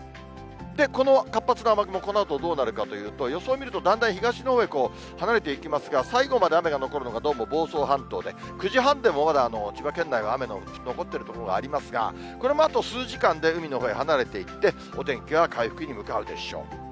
この活発な雨雲、このあとどうなるかというと、予想を見るとだんだん東のほうへ離れていきますが、最後まで雨が残るのが、どうも房総半島で、９時半でもまた千葉県内は雨のちょっと残っている所がありますが、これもあと数時間で海のほうへ離れていって、お天気は回復に向かうでしょう。